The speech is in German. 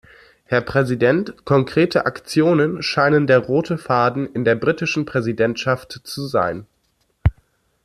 Herr Präsident, konkrete Aktionen scheinen der rote Faden in der britischen Präsidentschaft zu sein.